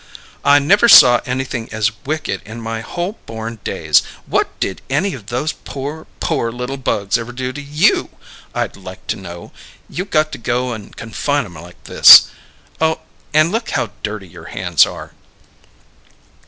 "I never saw anything as wicked in my whole born days! What did any of those poor, poor little bugs ever do to you, I'd like to know, you got to go and confine 'em like this! And look how dirty your hands are!"